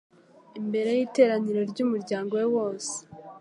imbere y’iteraniro ry’umuryango we wose